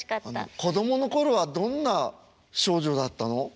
子供の頃はどんな少女だったの？